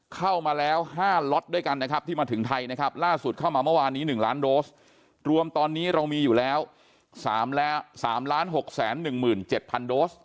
มาเมื่อวานนี้๑ล้านโดสรวมตอนนี้เรามีอยู่แล้ว๓๖๑๗๐๐๐โดส